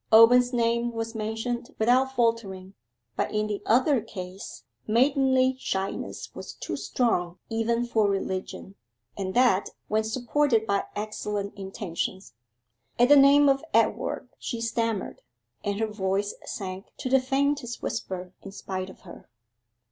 Owen's name was mentioned without faltering, but in the other case, maidenly shyness was too strong even for religion, and that when supported by excellent intentions. At the name of Edward she stammered, and her voice sank to the faintest whisper in spite of her.